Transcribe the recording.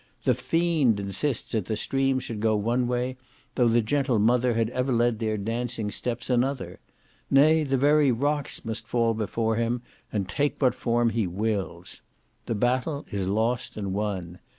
The fiend insists that the streams should go one way, though the gentle mother had ever led their dancing steps another; nay, the very rocks must fall before him, and take what form he wills. The battle is lost and won.